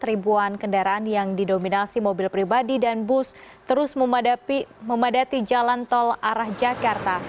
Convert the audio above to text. ribuan kendaraan yang didominasi mobil pribadi dan bus terus memadati jalan tol arah jakarta